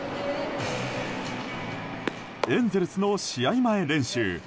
エンゼルスの試合前練習。